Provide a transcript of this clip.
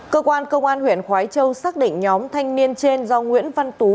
cơ quan công an huyện khói châu xác định nhóm thanh niên trên do nguyễn văn tú